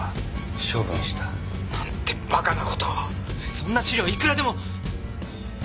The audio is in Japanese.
そんな資料いくらでも。